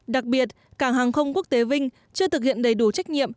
đặc biệt cảng hàng không quốc tế vinh chưa thực hiện đầy đủ trách nhiệm